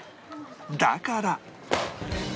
だから